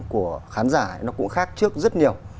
của khán giả nó cũng khác trước rất nhiều